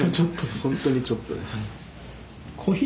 本当にちょっとです。